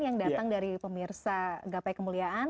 yang datang dari pemirsa gapai kemuliaan